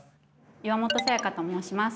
岩本早耶香と申します。